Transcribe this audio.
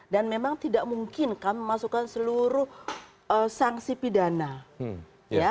dan memang tidak mungkin kami memasukkan seluruh sanksi pidana